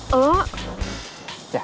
ya ini udah